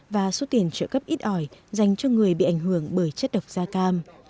và số tiền trợ cấp ít ỏi dành cho người bị ảnh hưởng bởi chất độc da cam